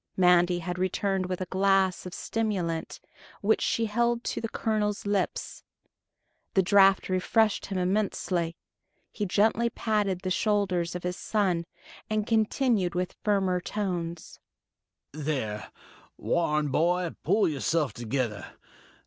Mandy had returned with a glass of stimulant, which she held to the colonel's lips. The draught refreshed him immensely. He gently patted the shoulders of his son, and continued with firmer tones: "There, Warren boy, pull yourself together.